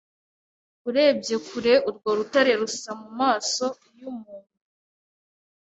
Urebye kure, urwo rutare rusa mumaso yumuntu.